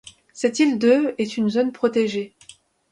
Cette île de est à une zone protégée.